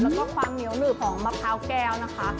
แล้วก็ความเหนียวหนืบของมะพร้าวแก้วนะคะ